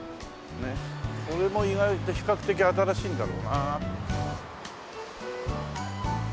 これも意外と比較的新しいんだろうなあ。